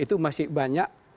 itu masih banyak